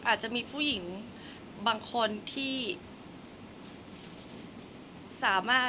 คนเราถ้าใช้ชีวิตมาจนถึงอายุขนาดนี้แล้วค่ะ